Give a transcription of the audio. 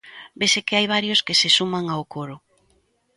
Vese que hai varios que se suman ao coro.